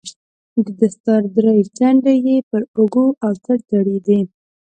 د دستار درې څنډې يې پر اوږو او څټ ځړېدې.